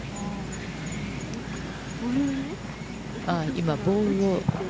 今、ボールを。